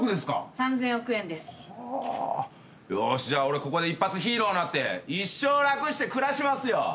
じゃあここで一発ヒーローになって一生楽して暮らしますよ！